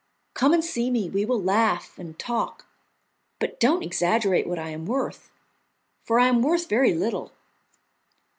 Come and see me, we will laugh and talk, but don't exaggerate what I am worth, for I am worth very little.